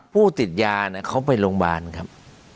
ผู้ติดยาเขาไปโรงพยาบาลครับ